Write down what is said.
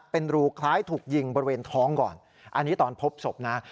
เป็นรูคล้ายถูกยิงบริเวณท้องก่อนอันนี้ตอนพบศพนะ